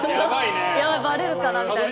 バレるかなみたいな。